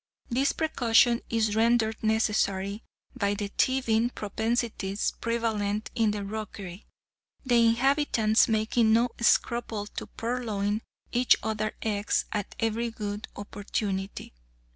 This precaution is rendered necessary by the thieving propensities prevalent in the rookery, the inhabitants making no scruple to purloin each other's eggs at every good opportunity.